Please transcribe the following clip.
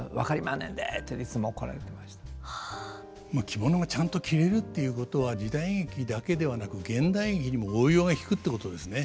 着物がちゃんと着れるっていうことは時代劇だけではなく現代劇にも応用が利くってことですね。